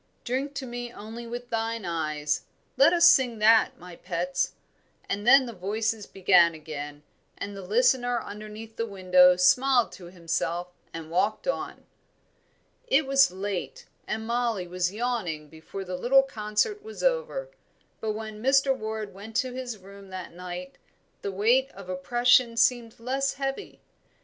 'Drink to me only with thine eyes' let us sing that, my pets." And then the voices began again, and the listener underneath the window smiled to himself and walked on. It was late, and Mollie was yawning before the little concert was over; but when Mr. Ward went to his room that night the weight of oppression seemed less heavy.